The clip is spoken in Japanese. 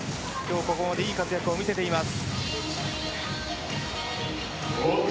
ここまでいい活躍を見せています。